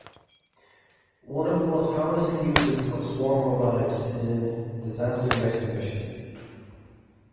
One of the most promising uses of swarm robotics is in disaster rescue missions.